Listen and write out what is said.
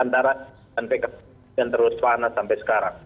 dan pkb yang terus panas sampai sekarang